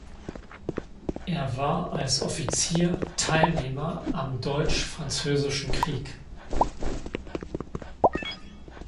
Er war als Offizier Teilnehmer am Deutsch-Französischen Krieg.